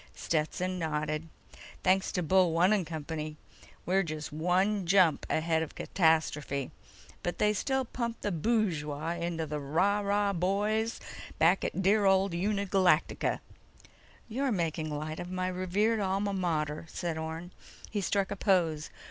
Stetson nodded. "Thanks to Bullone and company! We're just one jump ahead of catastrophe, but they still pump the bushwah into the Rah & Rah boys back at dear old Uni Galacta!" "You're making light of my revered alma mater," said Orne. He struck a pose.